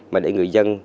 mà để người dân